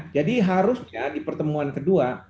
jadi harusnya di pertemuan kedua